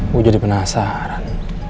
gue jadi penasaran